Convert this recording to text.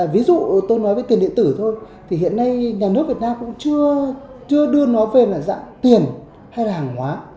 ví dụ tôi nói với tiền điện tử thôi thì hiện nay nhà nước việt nam cũng chưa đưa nó về là dạng tiền hay là hàng hóa